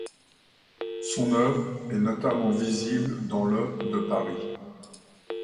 Son œuvre est notamment visible dans le de Paris.